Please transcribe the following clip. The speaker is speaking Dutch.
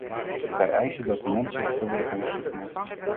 Wij eisen dat de mensenrechten worden gerespecteerd.